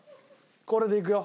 これでいくよ。